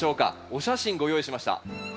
お写真ご用意しました。